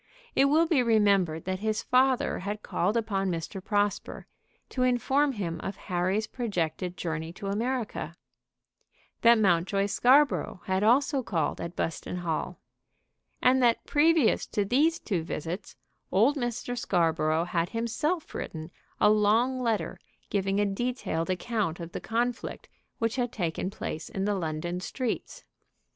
It will be remembered that his father had called upon Mr. Prosper, to inform him of Harry's projected journey to America; that Mountjoy Scarborough had also called at Buston Hall; and that previous to these two visits old Mr. Scarborough had himself written a long letter giving a detailed account of the conflict which had taken place in the London streets.